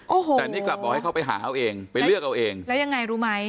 โอ้โหแต่นี่กลับบอกให้เขาไปหาเขาเองไปเลือกเอาเองแล้วยังไงรู้ไหม